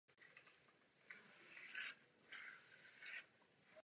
Tento dvojí požadavek musí být splněn.